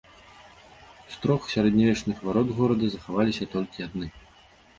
З трох сярэднявечных варот горада захаваліся толькі адны.